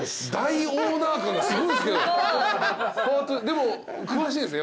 でも詳しいんですね